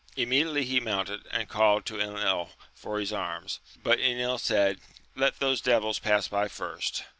Immediately he mounted, and called to £nil for liis arms : but Enil said. Let those devils pass by first.